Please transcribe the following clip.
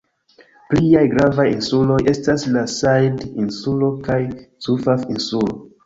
Pliaj gravaj insuloj estas la Sajid-insulo kaj Zufaf-insulo.